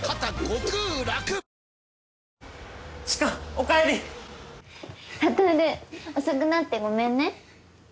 悟遅くなってごめんね。